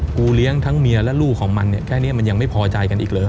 เลี้ยงทั้งเมียและลูกของมันเนี่ยแค่นี้มันยังไม่พอใจกันอีกเหรอ